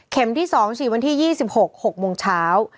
ที่๒ฉีดวันที่๒๖๖โมงเช้า